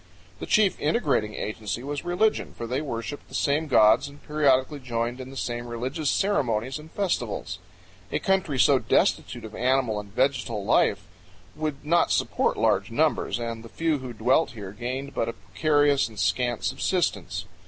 The chief integrating agency was religion, for they worshiped the same gods and periodically joined in the same religious ceremonies and festivals. A country so destitute of animal and vegetal life would not support large numbers, and the few who dwelt here gained but a precarious and scant subsistence.